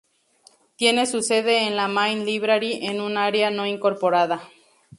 Tiene su sede en la Main Library en una área no incorporada.